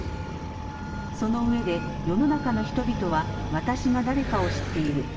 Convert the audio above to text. そのうえで世の中の人々は私が誰かを知っている。